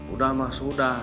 udah mas udah